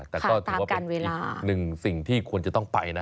แต่ก็ถือว่าเป็นหนึ่งสิ่งที่ควรจะต้องไปนะ